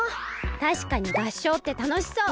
たしかに合唱ってたのしそう！